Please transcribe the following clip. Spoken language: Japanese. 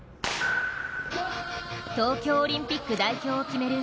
東京オリンピック代表を決める